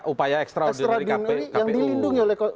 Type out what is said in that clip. upaya ekstraordinari yang dilindungi oleh